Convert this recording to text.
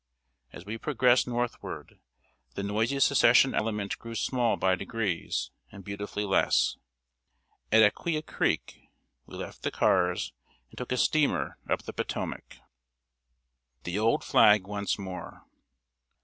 As we progressed northward, the noisy Secession element grew small by degrees, and beautifully less. At Acquia Creek, we left the cars and took a steamer up the Potomac. [Sidenote: THE OLD FLAG ONCE MORE.